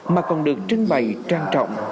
mà còn được trưng bày trang trọng